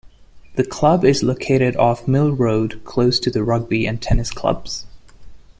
The club is located off Mill Road close to the Rugby and Tennis Clubs.